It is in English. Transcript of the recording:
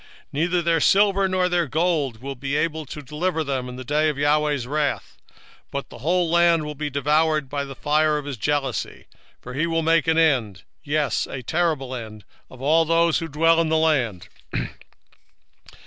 1:18 Neither their silver nor their gold shall be able to deliver them in the day of the LORD's wrath; but the whole land shall be devoured by the fire of his jealousy: for he shall make even a speedy riddance of all them that dwell in the land.